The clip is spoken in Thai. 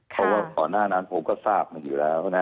เพราะว่าก่อนหน้านั้นผมก็ทราบมาอยู่แล้วนะ